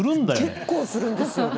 結構するんですよね。